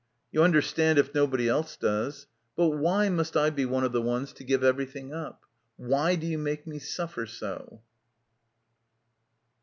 ... You understand if nobodv else does. But why must I be one of the ones to give everything up? Why do you make me suffer so?